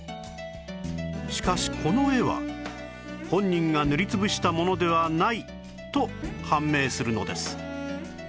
しかしこの絵は本人が塗りつぶしたものではないと判明するのです